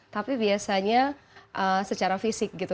tapi biasanya secara fisik gitu